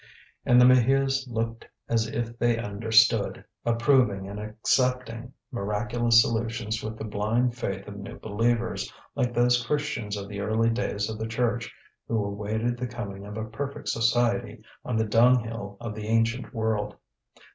And the Maheus looked as if they understood, approving and accepting miraculous solutions with the blind faith of new believers, like those Christians of the early days of the Church, who awaited the coming of a perfect society on the dunghill of the ancient world.